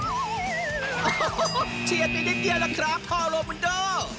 โอ้โหเชียร์ไปนิดนี้ล่ะครับพ่อโรมูนโด้